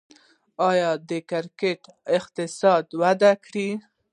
آیا د کرکټ اقتصاد وده کړې؟